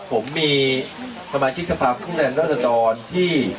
ผมมีสมาชิกภาพภูมิในรัฐธรรมที่